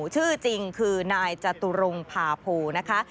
ชื่อจริงคือนายจตุรงพาโพนะคะ